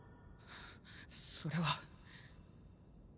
それは。